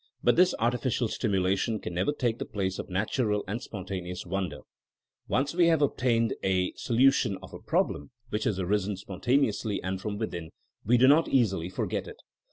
But this artificial stimula tion can never take the place of natural and spontaneous wonder. Once we have obtained a THINEINO AS A SCIENCE 147 solution of a problem which has arisen spon taneously and from within, we do not easily for get it.